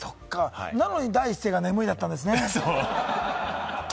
なのに第一声が眠い、だったんですね。